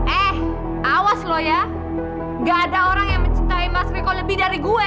eh awas loh ya gak ada orang yang mencintai mas miko lebih dari gue